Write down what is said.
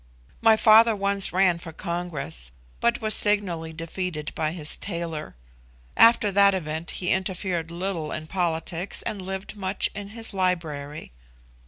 My father once ran for Congress, but was signally defeated by his tailor. After that event he interfered little in politics, and lived much in his library.